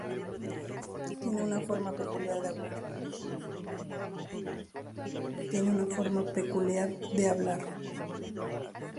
Tiene una forma peculiar de hablar.